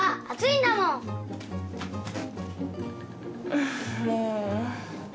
うんもう。